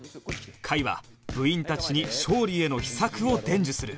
甲斐は部員たちに勝利への秘策を伝授する